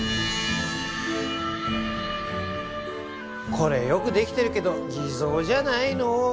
これよくできてるけど偽造じゃないのー？